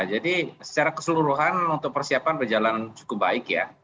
jadi secara keseluruhan untuk persiapan berjalan cukup baik ya